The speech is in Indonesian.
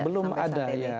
belum ada ya